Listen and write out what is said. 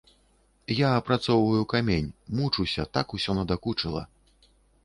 Я апрацоўваю камень, мучуся, так усё надакучыла.